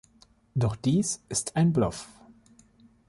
Doch dies ist ein Bluff.